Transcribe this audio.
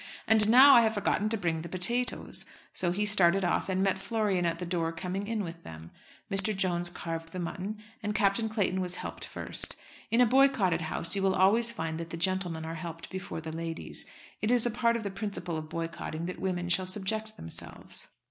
"And now I have forgotten to bring the potatoes." So he started off, and met Florian at the door coming in with them. Mr. Jones carved the mutton, and Captain Clayton was helped first. In a boycotted house you will always find that the gentlemen are helped before the ladies. It is a part of the principle of boycotting that women shall subject themselves.